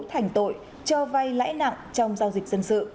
thành tội cho vay lãi nặng trong giao dịch dân sự